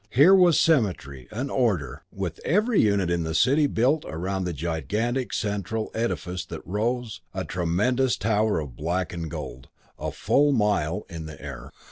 Here was symmetry and order, with every unit in the city built around the gigantic central edifice that rose, a tremendous tower of black and gold, a full half mile in the air.